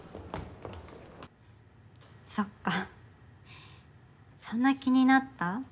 そっかそんな気になった？